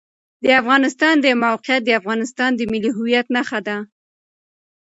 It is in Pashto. د افغانستان د موقعیت د افغانستان د ملي هویت نښه ده.